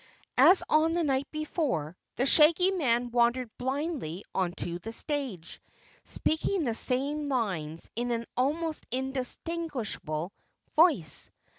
As on the night before, the Shaggy Man wandered blindly onto the stage, speaking the same lines in an almost indistinguishable voice.